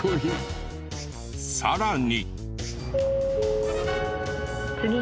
さらに。